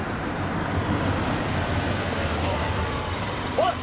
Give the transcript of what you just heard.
おい！